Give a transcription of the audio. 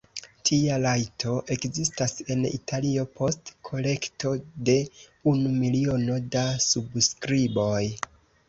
Tia rajto ekzistas en Italio post kolekto de unu miliono da subskriboj.